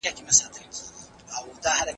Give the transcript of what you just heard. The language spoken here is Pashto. زه بايد زدکړه وکړم،